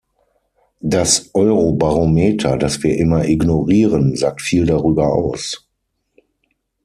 Das Euro-Barometer, das wir immer ignorieren, sagt viel darüber aus.